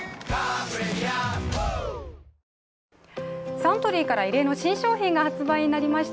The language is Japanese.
サントリーから異例の新商品が発売になりました。